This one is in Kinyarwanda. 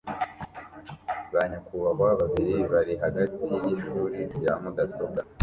Ba nyakubahwa babiri bari hagati yishuri rya mudasobwa